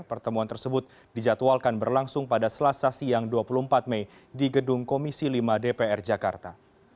pertemuan tersebut dijadwalkan berlangsung pada selasa siang dua puluh empat mei di gedung komisi lima dpr jakarta